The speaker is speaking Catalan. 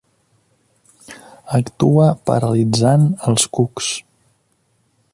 Actua paralitzant els cucs.